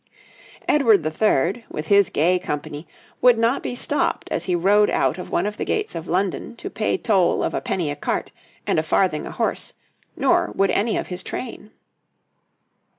Edward III., with his gay company, would not be stopped as he rode out of one of the gates of London to pay toll of a penny a cart and a farthing a horse, nor would any of his train.